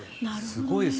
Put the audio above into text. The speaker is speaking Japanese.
すごいです。